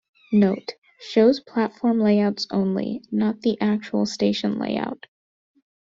Note: Shows platform layouts only, not the actual station layout.